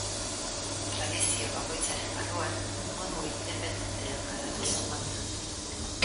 Tradizio bakoitzaren barruan modu independentean garatuz joan da.